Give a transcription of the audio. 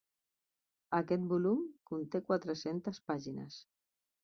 Aquest volum conté quatre-centes pàgines.